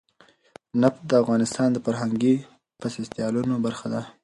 نفت د افغانستان د فرهنګي فستیوالونو برخه ده.